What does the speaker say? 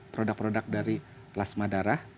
produk produk dari plasma darah